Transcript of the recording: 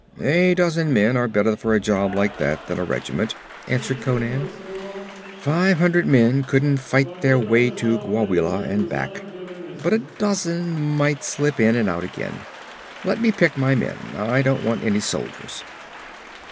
'A dozen men are better for a job like that than a regiment,' answered Conan. 'Five hundred men couldn't fight their way to Gwawela and back, but a dozen might slip in and out again. Let me pick my men. I don't want any soldiers.'